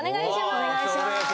お願いします